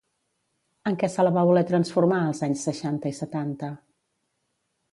En què se la va voler transformar als anys seixanta i setanta?